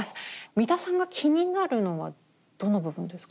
三田さんが気になるのはどの部分ですか？